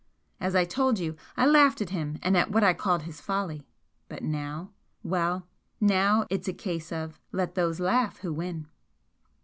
As I told you, I laughed at him and at what I called his 'folly,' but now well, now it's a case of 'let those laugh who win.'"